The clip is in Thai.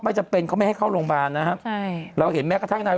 ไม่จะเป็นเขาไม่ให้เข้าโรงบาลนะฮะเราเห็นแม้กระทั่งนาย